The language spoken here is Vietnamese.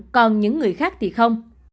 còn những người khác thì không